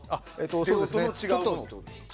そうですね。